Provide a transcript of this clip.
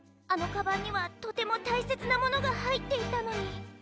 あのカバンにはとてもたいせつなものがはいっていたのに。